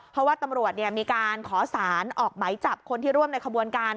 เพราะว่าตำรวจมีการขอสารออกไหมจับคนที่ร่วมในขบวนการ